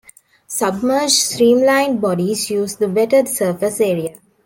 Submerged streamlined bodies use the wetted surface area.